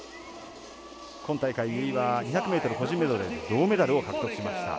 今大会、由井は２００ｍ個人メドレーで銅メダルを獲得しました。